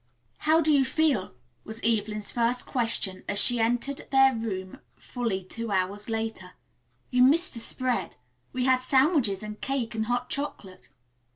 "How do you feel?" was Evelyn's first question as she entered their room fully two hours later. "You missed a spread. We had sandwiches and cake and hot chocolate."